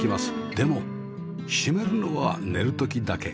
でも閉めるのは寝る時だけ